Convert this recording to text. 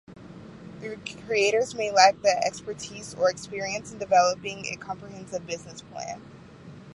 The creators may lack the expertise or experience in developing a comprehensive business plan.